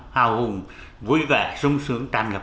hào hùng vui vẻ sung sướng tràn ngập